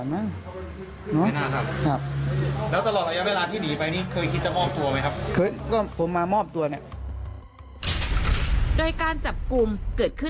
มันฟันอ่ะมันฟันผมอ่ะ